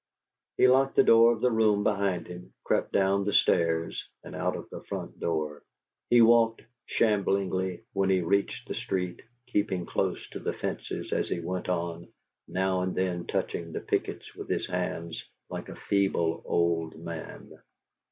He locked the door of the room behind him, crept down the stairs and out of the front door. He walked shamblingly, when he reached the street, keeping close to the fences as he went on, now and then touching the pickets with his hands like a feeble old man.